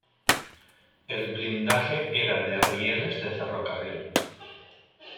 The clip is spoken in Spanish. El blindaje era de rieles de ferrocarril.